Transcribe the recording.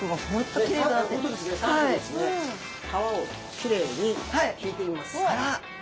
皮をきれいにひいてみます。